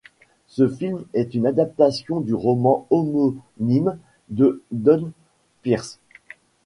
Ce film est une adaptation du roman homonyme de Donn Pearce.